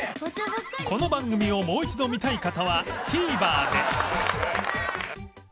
この番組をもう一度見たい方は ＴＶｅｒ で！